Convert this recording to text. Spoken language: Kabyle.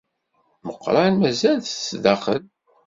Meqqran mazal-t sdaxel.